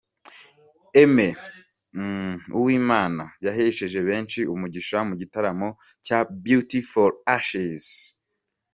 Aime Uwimana yahesheje benshi umugisha mu gitaramo cya Beauty For Ashes.